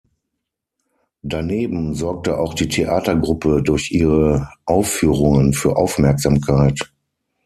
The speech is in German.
Daneben sorgte auch die Theatergruppe durch ihre Aufführungen für Aufmerksamkeit.